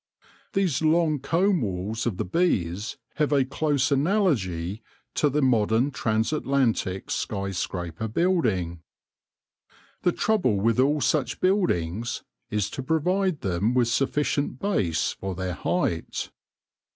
These long comb walls of the bees have a close analogy to the modern transatlantic sky scraper building. The trouble with all such buildings is to provide them with sufficient base for their height.